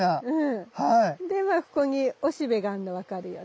でまあここにおしべがあんの分かるよね。